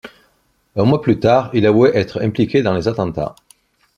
Un mois plus tard, il avouait être impliqué dans les attentats.